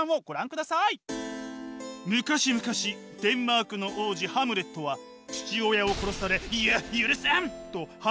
昔々デンマークの王子ハムレットは父親を殺され「ゆ許せん！」と犯人への復しゅうを誓います。